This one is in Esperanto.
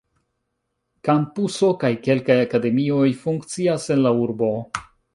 Kampuso kaj kelkaj akademioj funkcias en la urbo.